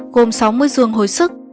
gồm sáu mươi giường hồi sức